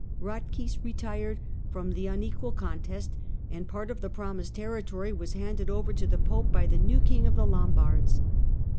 Eatchis retired from the unequal contest, and part of the promised territory was handed over to the Pope by the new king of the Lombards.